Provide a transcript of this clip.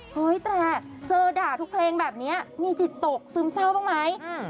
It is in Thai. เฮ้ยแต่เจอด่าทุกเพลงแบบนี้มีจิตตกซึมเศร้าบ้างไหม